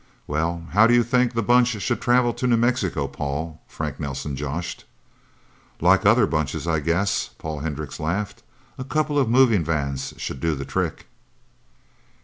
"Well, how do you think the Bunch should travel to New Mexico, Paul?" Frank Nelsen joshed. "Like other Bunches, I guess," Paul Hendricks laughed. "A couple of moving vans should do the trick..."